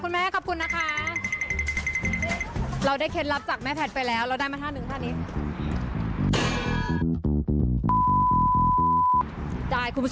รูป๑รูป๑รูป๑รูป๑รูป๑รูป๑รูป๑รูป๑รูป๑รูป๑รูป๑รูป๑รูป๑รูป๑